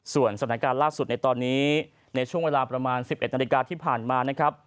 ส่วนสถานการณ์ล่าสุดในตอนนี้ในช่วงเวลาประมาณ๑๑นาฬิกาที่ผ่านมานะครับ